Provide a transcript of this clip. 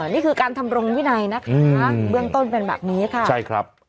อ๋อนี่คือการทำรงวินัยนะครับเบื้องต้นเป็นแบบนี้ครับ